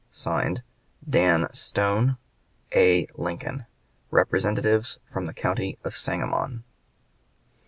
(Signed) DAN STONE, A. LINCOLN, Representatives from the county of Sangamon.